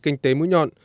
kinh tế mũi nhọn